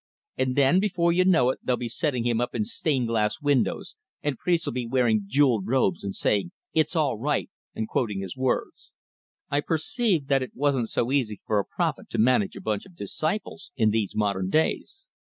And then, before you know it they'll be setting him up in stained glass windows, and priests'll be wearing jewelled robes, and saying it's all right, and quoting his words!" I perceived that it wasn't so easy for a prophet to manage a bunch of disciples in these modern days!